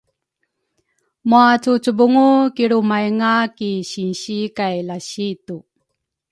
muacucubungu kilrumaynga ki sinsi kay lasitu.